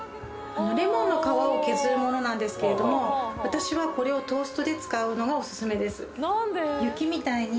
レモンの皮を削るものなんですけれども私はこれをトーストで使うのがオススメです